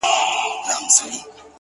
• د هغه له ستوني دا ږغ پورته نه سي ,